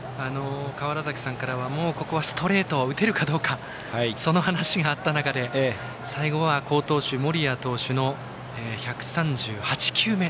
川原崎さんからはもう、ここはストレートを打てるかどうかと話があった中で最後は、好投手の森谷投手の１３８球目。